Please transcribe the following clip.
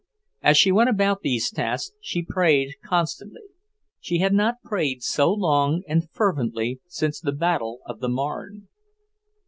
As she went about these tasks, she prayed constantly. She had not prayed so long and fervently since the battle of the Marne.